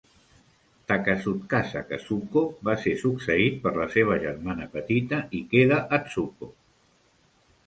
Takatsukasa Kazuko va ser succeït per la seva germana petita Ikeda Atsuko.